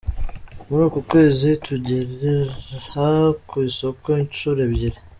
Muri uku kwezi, tugera ku isoko incuro ebyiri.